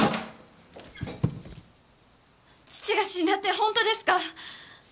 父が死んだって本当ですか？